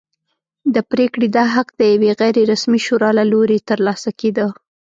د پرېکړې دا حق د یوې غیر رسمي شورا له لوري ترلاسه کېده.